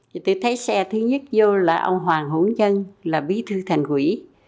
thì tôi thấy xe thứ nhất vô là ông hoàng hũn dân là bí thư thành quỷ